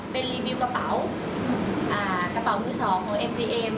เป็นกระเป๋ามืดสองเอเมซีเอม